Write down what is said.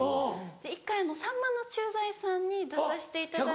一回「さんまの駐在さん」に出さしていただいて。